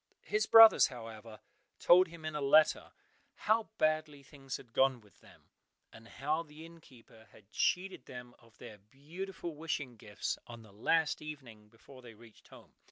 His brothers, however, told him in a letter how badly things had gone with them, and how the innkeeper had cheated them of their beautiful wishing gifts on the last evening before they reached home.